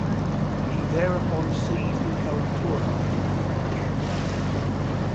He thereupon seized and held Tournai for the French.